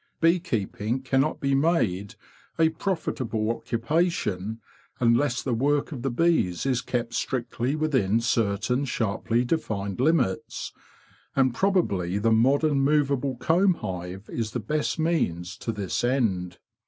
Bee keeping cannot be made a profitable occupation unless the work of the bees is kept strictly within certain sharply defined limits, and probably the modern movable comb hive is the best means to this end.